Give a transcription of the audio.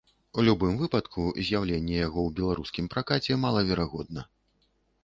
У любым выпадку, з'яўленне яго ў беларускім пракаце малаверагодна.